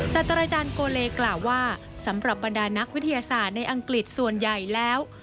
สัตว์อาจารย์โกเลกล่าวว่าสำหรับบรรดานักวิทยาศาสตร์ในอังกฤษส่วนใหญ่แล้ว